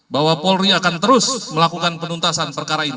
bahwa polri akan terus melakukan penuntasan perkara ini